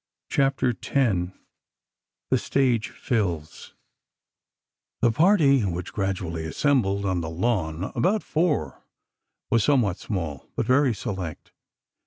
CHAPTER X THE STAGE FILLS The party which gradually assembled on the lawn about four was somewhat small, but very select.